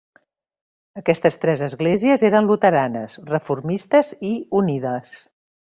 Aquestes tres esglésies eren luteranes, reformistes i unides.